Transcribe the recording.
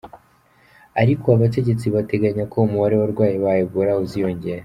Ariko abategetsi bateganya ko umubare w'abarwayi ba Ebola uziyongera.